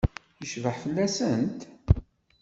Yecbeḥ fell-asent?